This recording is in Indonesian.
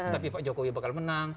tapi pak jokowi bakal menang